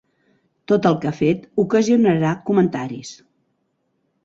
Tot el que ha fet ocasionarà comentaris.